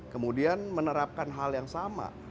kemudian menerapkan hal yang sama